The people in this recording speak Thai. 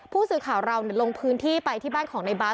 ผู้สื่อข่าวเราลงพื้นที่ไปที่บ้านของในบาส